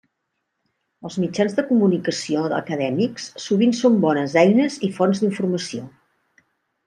Els mitjans de comunicació acadèmics sovint són bones eines i fonts d'informació.